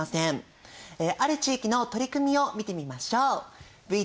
ある地域の取り組みを見てみましょう。